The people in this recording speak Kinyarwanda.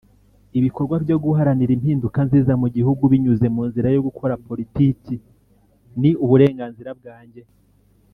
Ibikorwa byo guharanira impinduka nziza mu gihugu binyuze mu nzira yo gukora politiki ni uburenganzira bwanjye